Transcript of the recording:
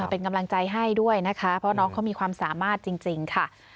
เป็นกำลังใจให้ด้วยนะคะเพราะน้องเขามีความสามารถจริงค่ะ